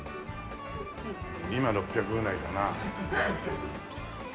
今６００ぐらいかな。